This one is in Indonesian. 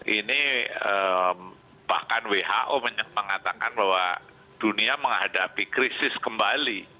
ini bahkan who mengatakan bahwa dunia menghadapi krisis kembali